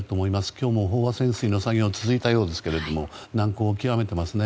今日も飽和潜水の作業が続いたようですけども難航を極めていますね。